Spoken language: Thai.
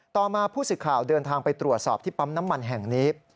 ต่อมาผู้สื่อข่าวเดินทางไปตรวจสอบที่ปั๊มน้ำมันแห่งนี้